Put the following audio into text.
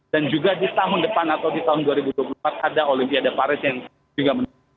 dan juga di tahun depan atau di tahun dua ribu dua puluh empat ada olimpiade paris yang juga menarik